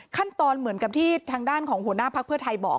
ขั้นตอนเหมือนกับที่ทางด้านของหัวหน้าภักดิ์เพื่อไทยบอก